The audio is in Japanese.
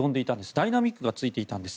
ダイナミックがついていたんです。